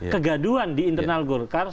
kegaduan di internal golkar